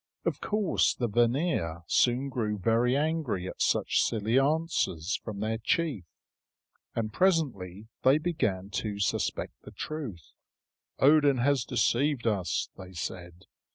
Of course the Vanir soon grew very angry at such silly answers from their chief, and presently they began to suspect the truth. "Odin has deceived us," they said.